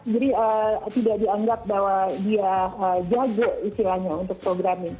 jadi tidak dianggap bahwa dia jago istilahnya untuk programming